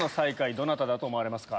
どなただと思われますか？